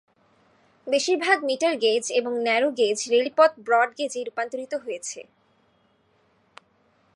বেশিরভাগ metre gauge এবং narrow gauge রেলপথ ব্রড গেজে রূপান্তরিত হয়েছে।